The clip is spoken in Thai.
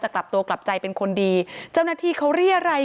กลับตัวกลับใจเป็นคนดีเจ้าหน้าที่เขาเรียรัย